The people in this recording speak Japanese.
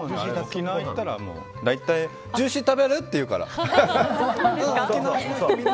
沖縄行ったら大体ジューシー食べる？って言うから。